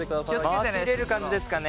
回し入れる感じですかね。